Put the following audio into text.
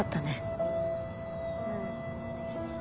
うん。